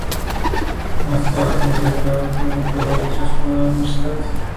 Más tarde fue liberado por el Emperador tras pagar un rescate.